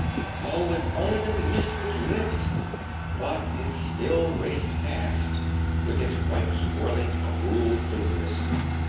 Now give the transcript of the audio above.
Oh, if only the mist would lift, but it still raced past, with its white swirling, cruel fingers.